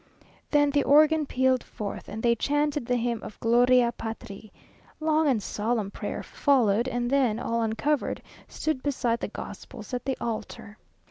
Then the organ pealed forth, and they chanted the hymn of "Gloria Patri." Long and solemn prayer followed; and then, all uncovered, stood beside the gospels, at the altar.